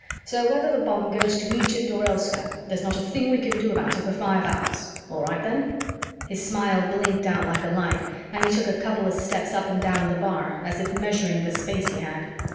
"So, whether the bomb goes to Egypt or elsewhere, there's not a thing we can do about it for five hours. All right then!" His smile blinked out like a light and he took a couple of steps up and down the bar, as if measuring the space he had.